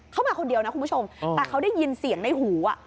เขามาคนเดียวนะคุณผู้ชมแต่เขาได้ยินเสียงในหูอ่ะ